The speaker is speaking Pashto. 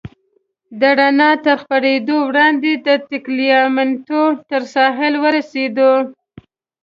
د رڼا تر خپرېدو وړاندې د ټګلیامنټو تر ساحل ورسېدو.